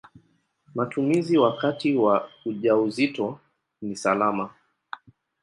Matumizi wakati wa ujauzito ni salama.